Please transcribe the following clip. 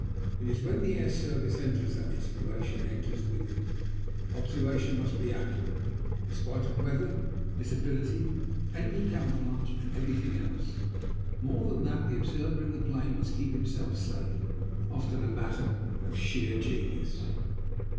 It is when the air service enters that inspiration enters with it. Observation must be accurate, in spite of weather, visibility, enemy camouflage, and everything else. More than that, the observer in the plane must keep himself safe often a matter of sheer genius.